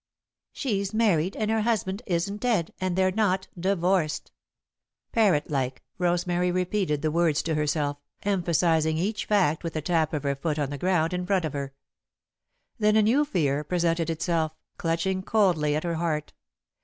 "She's married, and her husband isn't dead, and they're not divorced." Parrot like, Rosemary repeated the words to herself, emphasising each fact with a tap of her foot on the ground in front of her. Then a new fear presented itself, clutching coldly at her heart.